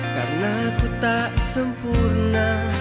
karena aku tak sempurna